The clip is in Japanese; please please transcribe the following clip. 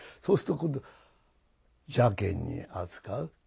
そうすると今度邪慳に扱う。